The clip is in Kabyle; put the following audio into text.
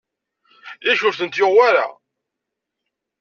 Yak ur tent-yuɣ wara?